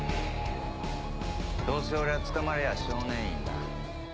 どうせ俺は捕まりゃ少年院だ。